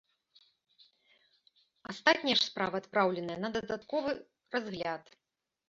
Астатнія ж справы адпраўленыя на дадатковы разгляд.